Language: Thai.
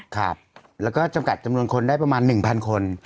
ครับแล้วก็จำกัดจำนวนคนได้ประมาณ๑๐๐คน